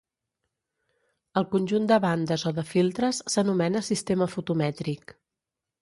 El conjunt de bandes o de filtres s'anomena sistema fotomètric.